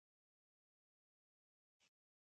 جامده برخه یې د وینې د کرویاتو څخه جوړه ده.